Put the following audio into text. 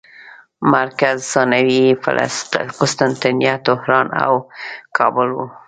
مرکز ثانوي یې قسطنطنیه، طهران او کابل وو.